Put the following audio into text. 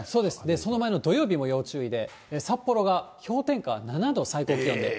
その前の土曜日も要注意で、札幌が氷点下７度、最低気温で。